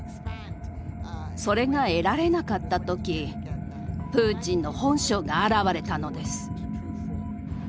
それが得られなかったときプーチンの本性が現れたのです。